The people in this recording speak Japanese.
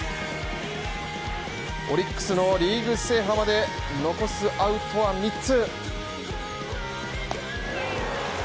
オリックスのリーグ制覇まで残すアウトは三つ。